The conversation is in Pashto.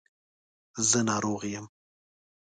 زه ناروغ یم